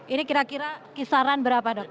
ini kira kira kisaran berapa dok